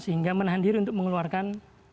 sehingga menahan diri untuk mengeluarkan